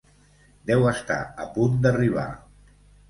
Deu estar a punt d'arribar.